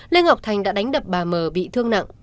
lê ngọc thành đã đánh đập bà mờ bị thương nặng